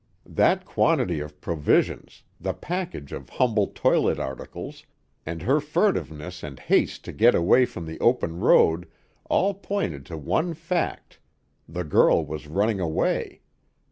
That quantity of provisions, the package of humble toilet articles, and her furtiveness and haste to get away from the open road all pointed to one fact the girl was running away.